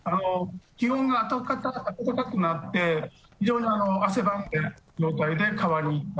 気温が暖かくなって、非常に汗ばむので、状態で川に。